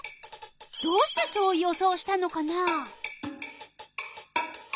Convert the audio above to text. どうしてそう予想したのかな？